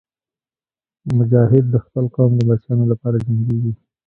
مجاهد د خپل قوم د بچیانو لپاره جنګېږي.